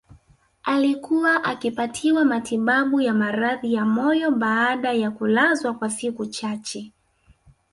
Alikuwa akipatiwa matibabu ya maradhi ya moyo baada ya kulazwa kwa siku chache